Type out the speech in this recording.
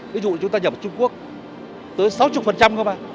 ví dụ chúng ta nhập ở trung quốc tới sáu mươi không ạ